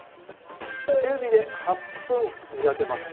中火で８分煮立てます。